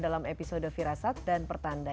dalam episode firasat dan pertanda